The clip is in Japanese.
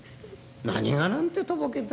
「『何が？』なんてとぼけて。